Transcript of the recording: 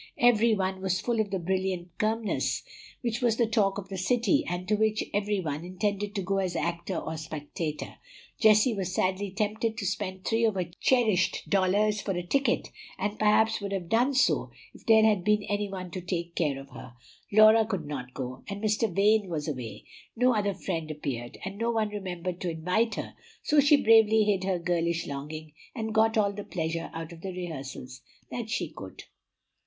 Every one was full of the brilliant Kirmess, which was the talk of the city, and to which every one intended to go as actor or spectator. Jessie was sadly tempted to spend three of her cherished dollars for a ticket, and perhaps would have done so if there had been any one to take care of her. Laura could not go, and Mr. Vane was away; no other friend appeared, and no one remembered to invite her, so she bravely hid her girlish longing, and got all the pleasure out of the rehearsals that she could.